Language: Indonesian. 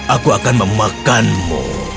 aku akan memakanmu